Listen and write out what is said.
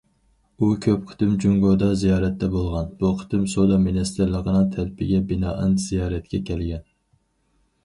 ئۇ كۆپ قېتىم جۇڭگودا زىيارەتتە بولغان، بۇ قېتىم سودا مىنىستىرلىقىنىڭ تەكلىپىگە بىنائەن زىيارەتكە كەلگەن.